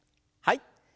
はい。